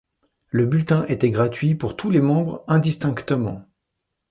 Le Bulletin était gratuit pour tous les membres indistinctement.